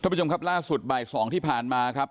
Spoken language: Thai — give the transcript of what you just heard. ผู้ชมครับล่าสุดบ่าย๒ที่ผ่านมาครับ